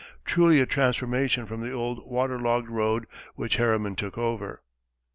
Truly a transformation from the old water logged road which Harriman took over.